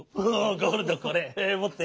ゴールドこれもって。